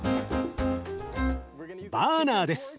バーナーです！